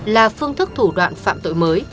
là phương thức thủ đoạn phạm tội mới